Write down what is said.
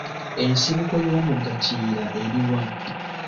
Ensibuko y'omugga Kiyira eri wa?